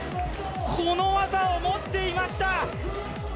この技を持っていました。